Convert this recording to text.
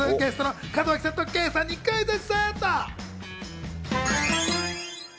ゲストの門脇さんと圭さんにクイズッス。